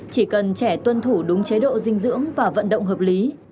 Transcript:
chỉ cần trẻ tuân thủ đúng chế độ dinh dưỡng và vận động hợp lý